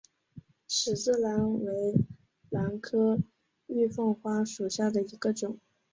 十字兰为兰科玉凤花属下的一个种。